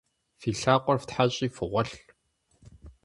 Фи лъакъуэр фтхьэщӏи фыгъуэлъ!